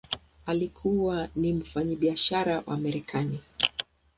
Alikuwa ni mfanyabiashara wa Marekani.